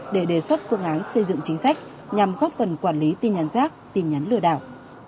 để đề xuất phương án xây dựng chính sách nhằm góp phần quản lý tin nhắn rác tin nhắn lừa đảo